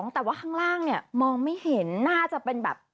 แต่ว่าข้างล่างเนี่ยมองไม่เห็นน่าจะเป็นแบบ